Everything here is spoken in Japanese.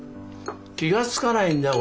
気が付かないんだよ